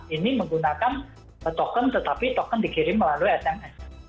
ini menggunakan token tetapi token dikirim melalui sms